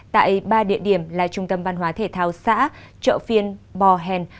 tại ba địa điểm là trung tâm văn hóa thể thao xã chợ phiên bò hèn